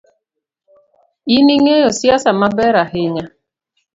In ingeyo siasa maber ahinya.